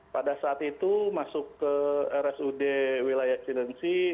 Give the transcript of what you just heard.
pada saat itu masuk ke rsud wilayah cilengsi